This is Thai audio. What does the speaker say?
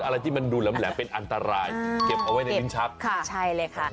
อะไรที่มันดูแหลมเป็นอันตรายเก็บเอาไว้ในลิ้นชักค่ะใช่เลยค่ะ